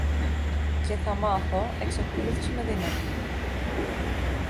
Και θα μάθω, εξακολούθησε με δύναμη.